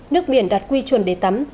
nước biển đạt quy chuẩn để tắm